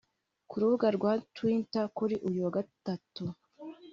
Ku rubuga rwa Twitter kuri uyu wa gatatu